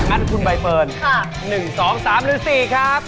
อันทุนใบเปิน๑๒๓หรือ๔ครับทุกคนนะครับ